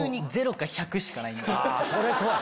それ怖い！